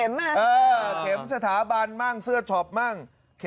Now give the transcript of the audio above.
เข็มสถาบันมั่งเสื้อช็อปมั่ง